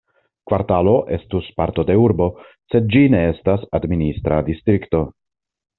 Kvartalo estus parto de urbo, sed ĝi ne estas administra distrikto.